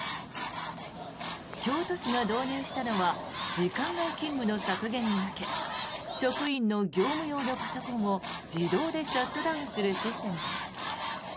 京都市が導入したのは時間外勤務の削減に向け職員の業務用のパソコンを自動でシャットダウンするシステムです。